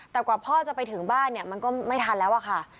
แต่กว่าพ่อจะไปถึงบ้านเนี่ยมันก็ไม่ทันแล้วอะค่ะ